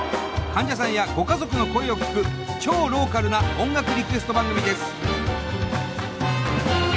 患者さんやご家族の声を聞く超ローカルな音楽リクエスト番組です。